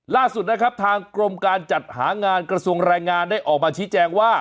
ล่าสุดนะครับทางกรมการจัดหางานกระทรวงแรงงานได้ออกมาชี้แจงว่า